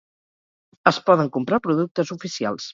es poden comprar productes oficials